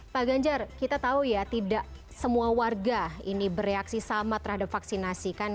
pak ganjar kita tahu ya tidak semua warga ini bereaksi sama terhadap vaksinasi kan